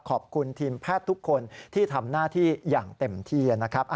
ขอบคุณทีมแพทย์ทุกคนที่ทำหน้าที่อย่างเต็มที่นะครับ